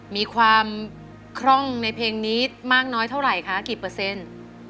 มีความคล่องในเพลงนี้มากน้อยเท่าไหร่คะกี่เปอร์เซ็นต์